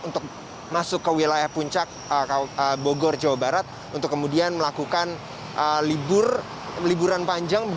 untuk masuk ke wilayah puncak bogor jawa barat untuk kemudian melakukan liburan panjang